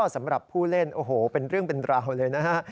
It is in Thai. สำหรับผู้เล่นโอ้โหเป็นเรื่องเป็นราวเลยนะฮะ